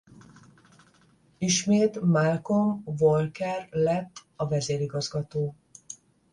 Ismét Malcolm Walker lett a vezérigazgató.